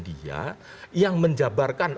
dia yang menjabarkan